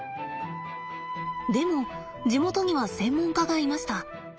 でも地元には専門家がいました。